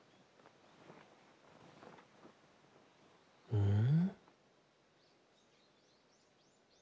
・うん？